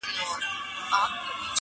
ویل چي آصل یم تر نورو موږکانو.